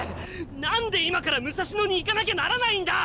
何で今から武蔵野に行かなきゃならないんだ！